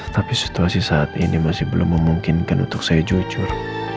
tapi situasi saat ini masih belum memungkinkan untuk saya jujur